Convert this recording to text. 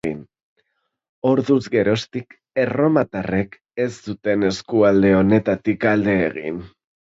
Orduz geroztik erromatarrek ez zuten eskualde honetatik alde egin.